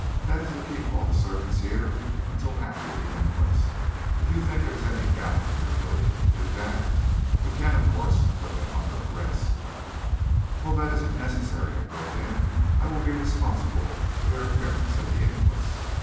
That is to keep all the servants here until after the inquest. If you think there is any doubt of your ability to do that, we can, of course, put them under arrest " "Oh, that isn't necessary," I broke in. "I will be responsible for their appearance at the inquest."